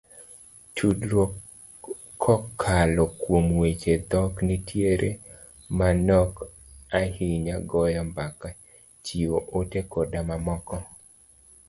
Tudruok kokalo kuom weche dhok nitiere manok ahinya, goyo mbaka, chiwo ote koda mamoko.